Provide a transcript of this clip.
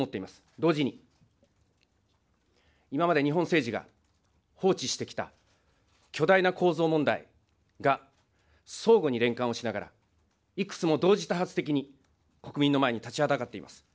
同時に、今まで日本政治が放置してきた巨大な構造問題が相互に連関をしながらいくつも同時多発的に、国民の前に立ちはだかっています。